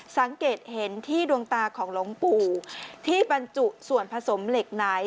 สังเกตเห็นที่ดวงตาของหลวงปู่ที่บรรจุส่วนผสมเหล็กไหน